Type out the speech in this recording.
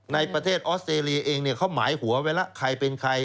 ในประเทศออสเตรเลียเองเขาหมายหัวไว้แล้วใครเป็นใคร